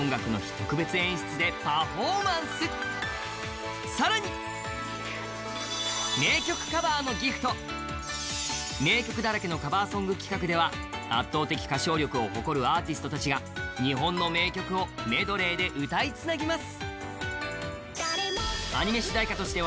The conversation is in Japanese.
特別演出でパフォーマンスさらに名曲だらけのカバーソング企画では圧倒的歌唱力を誇るアーティストたちが日本の名曲をメドレーで歌いつなぎます